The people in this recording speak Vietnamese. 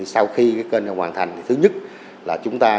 sau khi kênh hoàn thành thứ nhất là chúng ta